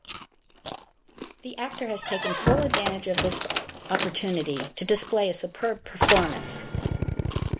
The actor has taken full advantage of this opportunity to display a superb performance.